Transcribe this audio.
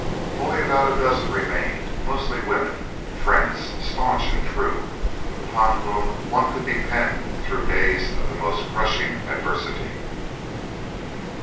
Only about a dozen remained, mostly women, friends staunch and true, upon whom one could depend through days of the most crushing adversity.